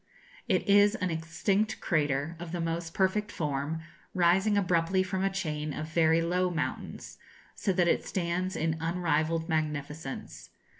It is an extinct crater, of the most perfect form, rising abruptly from a chain of very low mountains, so that it stands in unrivalled magnificence.